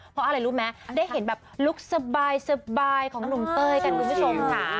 เพราะอะไรรู้ไหมได้เห็นแบบลุคสบายของหนุ่มเต้ยกันคุณผู้ชมค่ะ